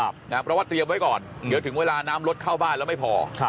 เพราะว่าเตรียมไว้ก่อนเดี๋ยวถึงเวลาน้ำรถเข้าบ้านแล้วไม่พอ